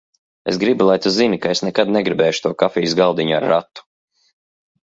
Es gribu, lai tu zini, ka es nekad negribēšu to kafijas galdiņu ar ratu.